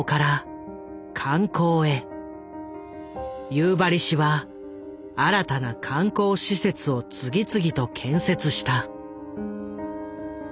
夕張市は新たな観光施設を次々と建設した。